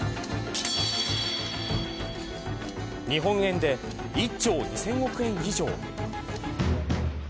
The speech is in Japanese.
日本円で１兆２０００億円以上。